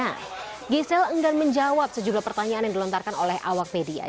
nah giselle enggan menjawab sejumlah pertanyaan yang dilontarkan oleh awak media